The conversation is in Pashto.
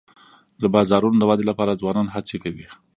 د بازارونو د ودي لپاره ځوانان هڅي کوي.